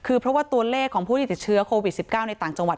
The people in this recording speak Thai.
คือเพราะว่าตัวเลขของผู้ที่ติดเชื้อโควิด๑๙ในต่างจังหวัด